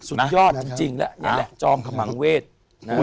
สุดยอดจริงแล้วนี่แหละจอมคำวังเวทย์